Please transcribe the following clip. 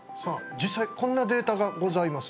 実際こんなデータがございます